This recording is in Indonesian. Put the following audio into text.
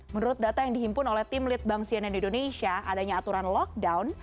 menurut data yang dihimpun oleh tim litbang cnn indonesia adanya aturan lockdown